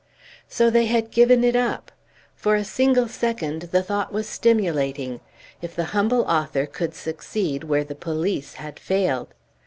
So they had given it up! For a single second the thought was stimulating; if the humble author could succeed where the police had failed!